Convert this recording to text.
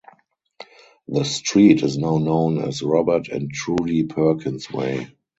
The street is now known as Robert and Trudie Perkins Way.